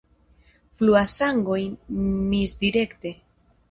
Fluas sangoj misdirekte.